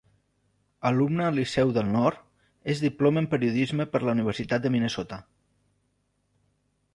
Alumne al liceu del Nord, es diploma en periodisme per la universitat de Minnesota.